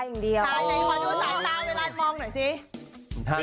น้องกระดาษอีกท่านหนึ่งก็คือด้านนั้น